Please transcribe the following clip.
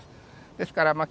ですからまあ